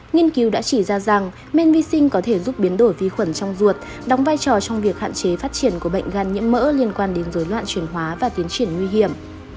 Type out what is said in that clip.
nghiên cứu đã chỉ ra rằng men vi sinh có thể giúp biến đổi vi khuẩn trong ruột đóng vai trò trong việc hạn chế phát triển của bệnh gan nhiễm mỡ liên quan đến dối loạn chuyển hóa và tiến triển nguy hiểm